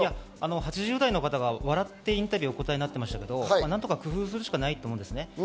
８０代の方が笑ってインタビューに答えてましたけど、何とか工夫するしかないと思います。